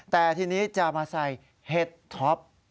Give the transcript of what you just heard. แต่ทีนี้จะมาใส่เห็ดท็อป